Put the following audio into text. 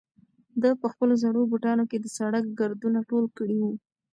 ده په خپلو زړو بوټانو کې د سړک ګردونه ټول کړي وو.